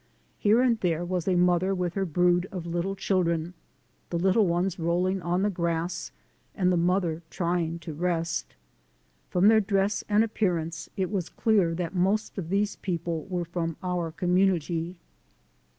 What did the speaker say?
Here and there was a mother with her brood of little children, the little ones rolling on the grass and the mother trying to rest. From their dress and appearance, it was clear that most of these people were from our community.